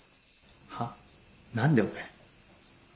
は？何で俺？